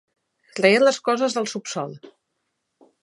Traient les coses del subsòl.